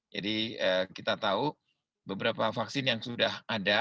jadi kita tahu beberapa vaksin yang sudah ada